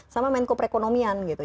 sama menko perekonomian gitu